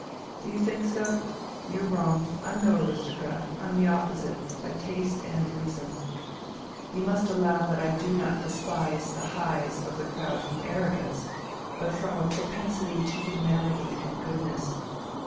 "Do you think so? You're wrong. I'm no aristocrat, I'm the opposite, by taste and reason. You must allow that I do not despise the 'Hi's' of the crowd from arrogance, but from a propensity to humanity and goodness.